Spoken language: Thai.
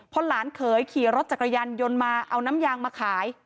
พอหลานเขยขี่รถจักรยานยนต์มาเอาน้ำยางมาขาย